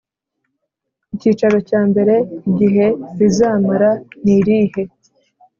Icyiciro cya mbere Igihe rizamara nirihe